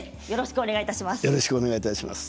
よろしくお願いします。